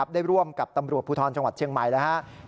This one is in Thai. ได้ร่วมกับตำรวจภูทรจังหวัดเชียงใหม่แล้วครับ